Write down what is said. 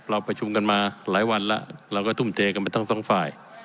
เราประชุมกันมาหลายวันแล้วเราก็ทุ่มเทกันไปทั้งสองฝ่าย